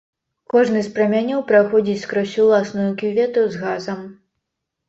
Кожны з прамянёў праходзіць скрозь уласную кювету з газам.